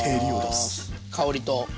香りと。